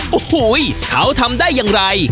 โอ้โหเขาทำได้อย่างไร